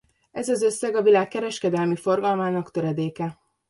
Ez az összeg a világ kereskedelmi forgalmának töredéke.